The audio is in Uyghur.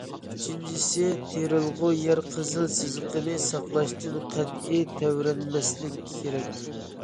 ئۈچىنچىسى، تېرىلغۇ يەر قىزىل سىزىقىنى ساقلاشتىن قەتئىي تەۋرەنمەسلىك كېرەك.